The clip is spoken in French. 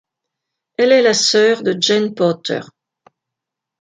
Elle est la sœur de Jane Porter.